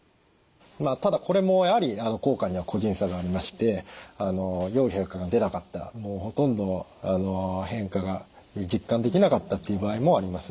ただこれもやはり効果には個人差がありましてよい変化が出なかったほとんど変化が実感できなかったという場合もあります。